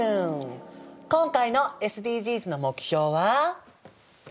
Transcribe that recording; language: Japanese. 今回のＳＤＧｓの目標はジャン！